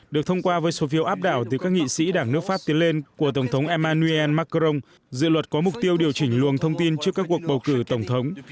được thông qua với số phiếu áp đảo từ các nghị sĩ đảng nước pháp tiến lên của tổng thống emmanuel macron dự luật có mục tiêu điều chỉnh luồng thông tin trước các cuộc bầu cử tổng thống